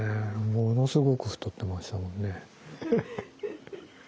ものすごく太ってましたもんね。